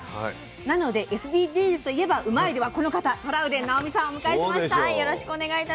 なのでＳＤＧｓといえば「うまいッ！」ではこの方トラウデン直美さんをお迎えしました。